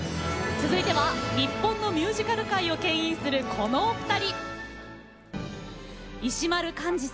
続いては日本のミュージカル界をけん引するこのお二人。